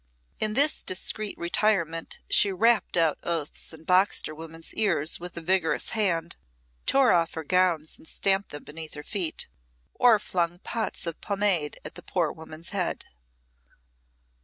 In this discreet retirement she rapped out oaths and boxed her woman's ears with a vigorous hand, tore off her gowns and stamped them beneath her feet, or flung pots of pomade at the poor woman's head.